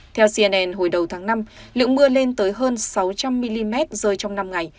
theo cnn hồi đầu tháng năm lượng mưa lên tới hơn sáu trăm linh mm rơi trong năm ngày